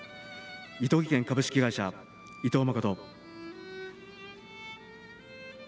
伊藤技研株式会社、伊藤誠。